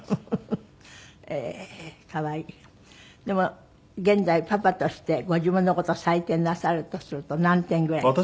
でも現在パパとしてご自分の事を採点なさるとすると何点ぐらい？